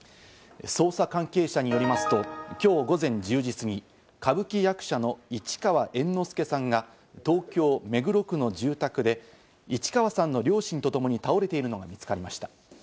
捜査関係者によりますと、きょう午前１０時過ぎ、歌舞伎役者の市川猿之助さんが、東京・目黒区の住宅で市川さんの両親とともに倒れているのが見つかりました。